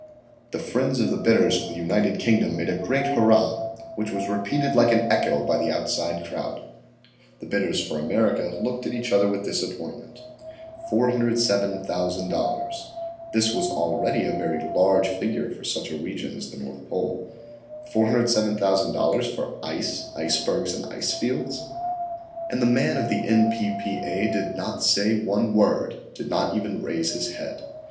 The friends of the bidders for the United Kingdom made a great hurrah, which was repeated like an echo by the outside crowd. The bidders for America looked at each other with disappointment; $407,000; this was already a very large figure for such a region as the North Pole; $407,000 for ice, icebergs, and icefields? And the man of the N. P. P. A. did not say one word, did not even raise his head.